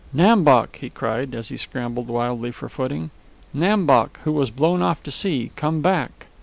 "Nam Bok!" he cried, as he scrambled wildly for footing. "Nam Bok, who was blown off to sea, come back!"